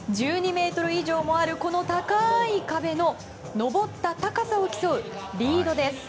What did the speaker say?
１２ｍ以上もある高い壁の登った高さを競う、リードです。